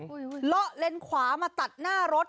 เลาะเลนขวามาตัดหน้ารถ